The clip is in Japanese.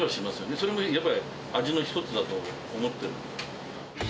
それもやっぱり、味の一つだと思ってるんで。